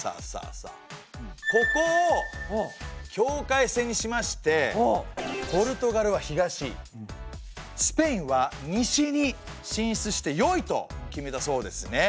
ここを境界線にしましてポルトガルは東スペインは西に進出してよいと決めたそうですね。